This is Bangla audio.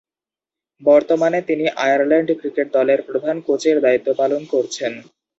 বর্তমানে তিনি আয়ারল্যান্ড ক্রিকেট দলের প্রধান কোচের দায়িত্ব পালন করছেন।